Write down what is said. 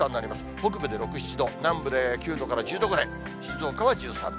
北部で６、７度、南部で９度から１０度ぐらい、静岡は１３度。